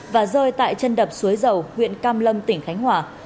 và rơi tại chân đập suối dầu huyện cam lâm tỉnh khánh hòa